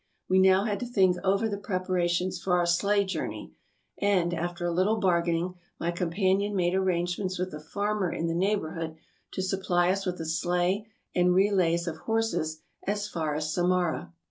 We now had to think over the preparations for our sleigh journey, and, after a little bargaining, my companion made arrangements with a farmer in the neighborhood to supply us with a sleigh and relays of horses as far as Samara.